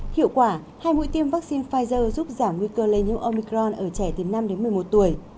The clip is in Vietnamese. hiệu quả hai mũi tiêm vaccine pfizer giúp giảm nguy cơ lây nhiễm onicron ở trẻ từ năm đến một mươi một tuổi